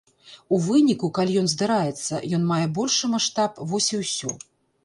У выніку, калі ён здараецца, ён мае большы маштаб, вось і ўсё.